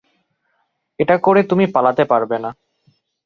এটা করে তুমি পালাতে পারবে না।